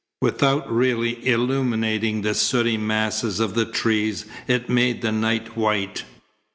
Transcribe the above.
Without really illuminating the sooty masses of the trees it made the night white.